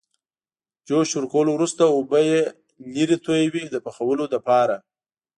جوش ورکولو وروسته اوبه یې لرې تویوي د پخولو لپاره.